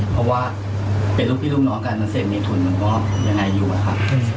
เพราะว่าเป็นลูกพี่ลูกน้องกันมันเสบียทุนเหมือนว่าอย่างไรอยู่อะค่ะ